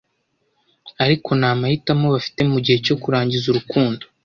ariko nta mahitamo bafite mugihe cyo kurangiza urukundo.